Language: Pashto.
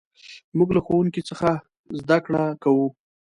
موږ له ښوونکي څخه زدهکړه کوو.